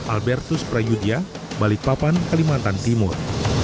albertus prayudya balikpapan kalimantan timur